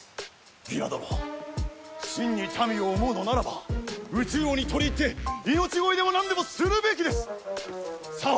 ギラ殿真に民を思うのならば宇蟲王に取り入って命乞いでもなんでもするべきです。さあ。